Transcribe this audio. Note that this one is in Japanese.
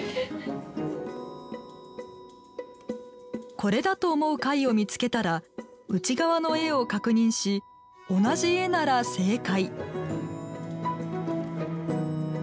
これだと思う貝を見つけたら内側の絵を確認し同じ絵なら正解。